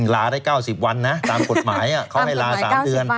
ลาได้๙๐วันนะตามกฎหมายเขาให้ลา๓เดือน